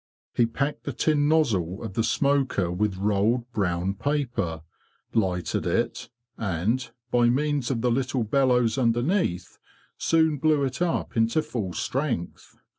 He packed the tin nozzle of the smoker with rolled brown paper, lighted it, and, by means of the little bellows underneath, soon blew it up into full strength.